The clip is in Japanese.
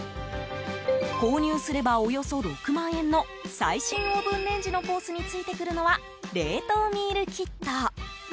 購入すれば、およそ６万円の最新オーブンレンジのコースについてくるのは冷凍ミールキット。